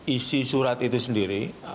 isi surat itu sendiri